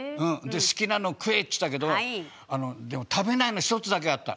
「好きなの食え」っつったけどでも食べないの１つだけあった。